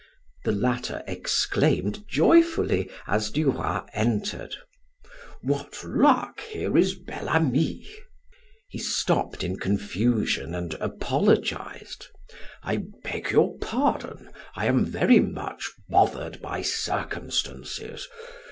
The latter exclaimed joyfully as Du Roy entered: "What luck! here is Bel Ami." He stopped in confusion and apologized: "I beg your pardon, I am very much bothered by circumstances.